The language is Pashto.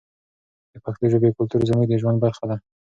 د پښتو ژبې کلتور زموږ د ژوند برخه ده.